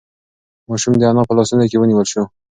ماشوم د انا په لاسونو کې ونیول شو.